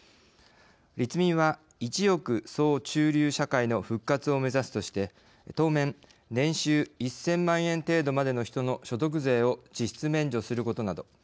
立民は１億総中流社会の復活を目指すとして当面年収１０００万円程度までの人の所得税を実質免除することなど。